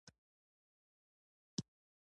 بهشته صافۍ له ورځپاڼې وه.